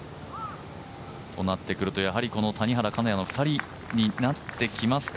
となってくると、谷原、金谷の２人になってきますか？